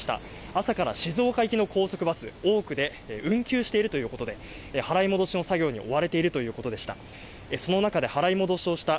朝から静岡行きの高速バス、多くで運休しているということで払い戻しの作業に追われているということでした。